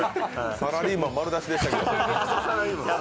サラリーマン丸出しでしたけど。